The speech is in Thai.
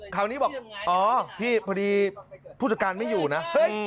คราวนี้บอกอ๋อพี่พอดีผู้จัดการไม่อยู่นะ